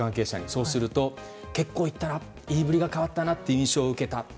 そうすると、結構言ったな言いぶりが変わったなという印象を受けたと。